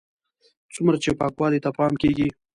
څومره چې پاکوالي ته پام کېږي.